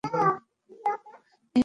এই উপলব্ধিই আমাদিগকে শান্ত করিবে।